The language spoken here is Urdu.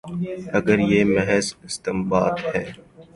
اگر یہ محض استنباط ہے۔